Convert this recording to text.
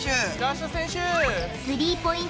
スリーポイント